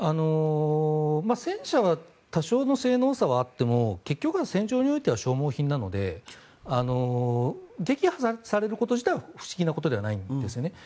戦車は多少の性能差はあっても結局は戦場においては消耗品なので撃破されること自体は不思議なことではないんですよね。